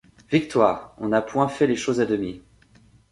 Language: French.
Victoire ! On n'a point fait les choses à demi.